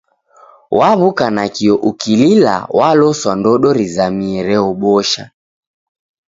Waw'uka nakio ukilila waloswa ndodo rizamie reobosha.